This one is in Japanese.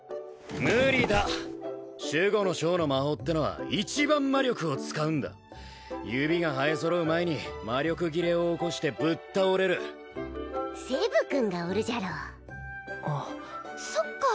無理だ守護の章の魔法ってのは一番魔力を使うんだ指が生え揃う前に魔力切れを起こしてぶっ倒れるセブ君がおるじゃろうあそっか！